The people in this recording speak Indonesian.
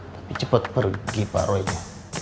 tapi cepat pergi pak roy nya